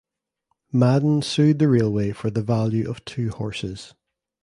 Madden sued the railway for the value of the two horses.